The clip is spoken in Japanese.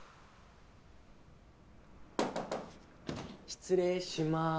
失礼しま。